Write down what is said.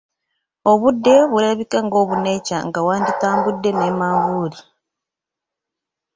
Obudde bulabika nga obuneecanga, wanditambudde ne manvuuli.